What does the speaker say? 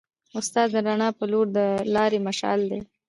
استاد د رڼا په لور د لارې مشعل دی.